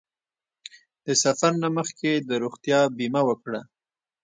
د سفر نه مخکې د روغتیا بیمه وکړه.